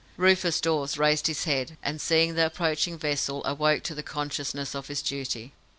Rufus Dawes raised his head, and, seeing the approaching vessel, awoke to the consciousness of his duty.